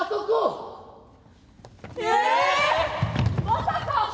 「まさか」。